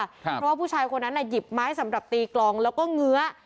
เพราะว่าผู้ชายคนนั้นน่ะหยิบไม้สำหรับตีกลองแล้วก็เงื้อ